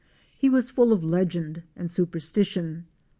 He was full of legend and superstition.